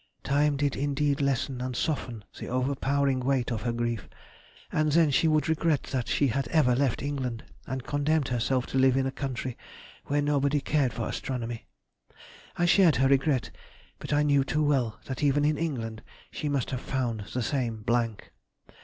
Time did indeed lessen and soften the overpowering weight of her grief, and then she would regret that she had ever left England, and condemned herself to live in a country where nobody cared for astronomy. I shared her regret, but I knew too well that even in England she must have found the same blank.